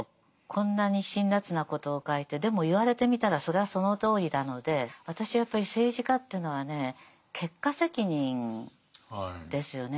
こんなに辛辣なことを書いてでも言われてみたらそれはそのとおりなので私はやっぱり政治家というのはね結果責任ですよね。